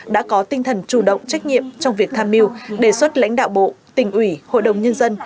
đã có tinh thần chủ động trách nhiệm trong việc tham mưu đề xuất lãnh đạo bộ tỉnh ủy hội đồng nhân dân